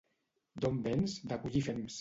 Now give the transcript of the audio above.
—D'on vens? —De collir fems.